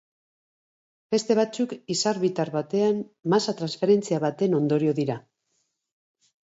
Beste batzuk izar bitar batean masa transferentzia baten ondorio dira.